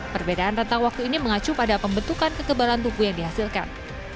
perbedaan rentang waktu ini mengacu pada pembentukan kekebalan tubuh yang dihasilkan